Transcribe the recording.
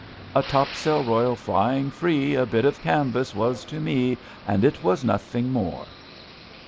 '^ A topsail royal flying free A hit of canvas was to me, And it was nothing more.